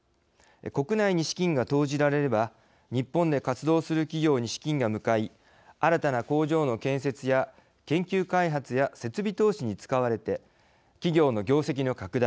国内に資金が投じられれば日本で活動する企業に資金が向かい新たな工場の建設や研究開発や設備投資に使われて企業の業績の拡大。